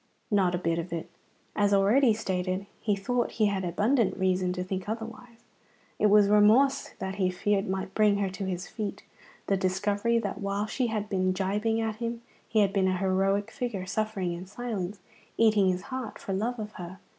Not a bit of it. As already stated, he thought he had abundant reason to think otherwise. It was remorse that he feared might bring her to his feet, the discovery that while she had been gibing at him he had been a heroic figure, suffering in silence, eating his heart for love of her.